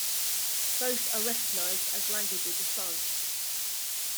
Both are recognized as languages of France.